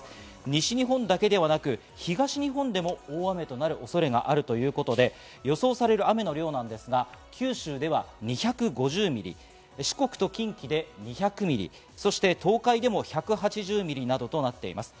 西日本だけではなく東日本でも大雨となる恐れがあるということで、予想される雨の量ですが九州では２５０ミリ、四国と近畿で２００ミリ、そして東海でも１８０ミリなどとなっています。